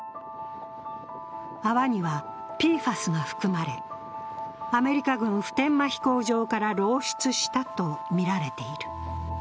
泡にはＰＦＡＳが含まれ、アメリカ軍普天間飛行場から漏出したとみられている。